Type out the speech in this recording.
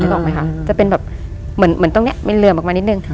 เรียกออกไหมคะจะเป็นแบบเหมือนเหมือนตรงเนี้ยมันเหลื่อมออกมานิดหนึ่งค่ะ